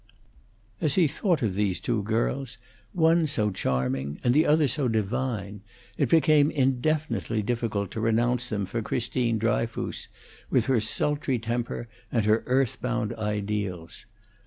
As he thought of these two girls, one so charming and the other so divine, it became indefinitely difficult to renounce them for Christine Dryfoos, with her sultry temper and her earthbound ideals.